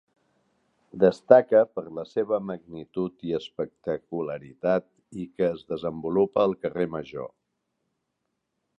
Destaca per la seva magnitud i espectacularitat i que es desenvolupa al carrer Major.